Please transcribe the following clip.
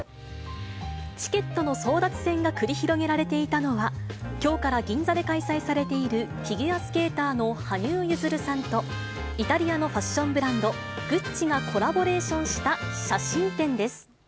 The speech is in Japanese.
チケットの争奪戦が繰り広げられていたのは、きょうから銀座で開催されているフィギュアスケーターの羽生結弦さんと、イタリアのファッションブランド、グッチがコラボレーションした写真展です。